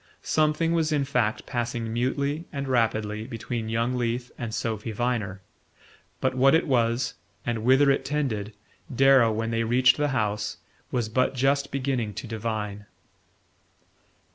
Something was in fact passing mutely and rapidly between young Leath and Sophy Viner; but what it was, and whither it tended, Darrow, when they reached the house, was but just beginning to divine...